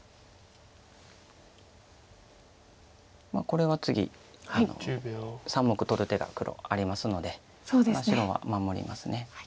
これは次３目取る手が黒ありますので白は守ります。